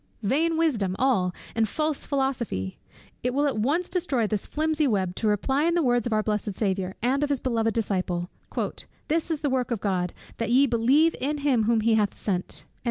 '" "Vain wisdom all, and false philosophy!" It will at once destroy this flimsy web, to reply in the words of our blessed Saviour, and of his beloved Disciple "This is the work of God, that ye believe in him whom he hath sent."